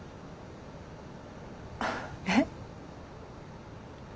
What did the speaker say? えっ？